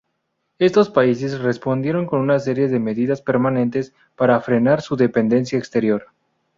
Estos países respondieron con una serie de medidas permanentes para frenar su dependencia exterior.